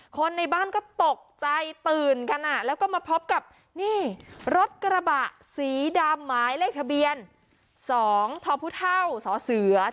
คนในบ้านก็ตกใจตื่นกันแล้วก็มาพร้อมกับรถกระบะสีดามไม้เลขทะเบียน๒ทพศ๗๑๔๔